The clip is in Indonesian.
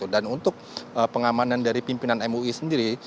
dan untuk pengamanan dari pimpinan mui sendiri